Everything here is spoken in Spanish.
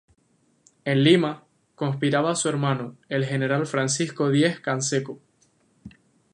En Lima, conspiraba su hermano, el general Francisco Diez Canseco.